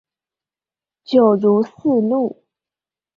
九如四路